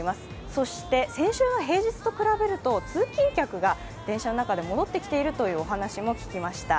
そして先週の平日と比べると通勤客が電車の中で戻ってきているというお話も聞きました。